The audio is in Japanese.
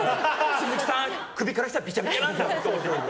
鈴木さん、首から下ビチャビチャなんだって。